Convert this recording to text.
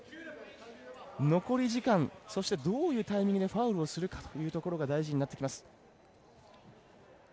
残り時間そしてどういうタイミングでファウルをするかというところが大事になってきます。